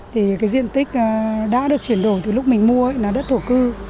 thì cái diện tích đã được chuyển đổi từ lúc mình mua ấy là đất thổ cư